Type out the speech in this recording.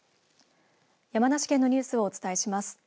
山梨県のニュースをお伝えします。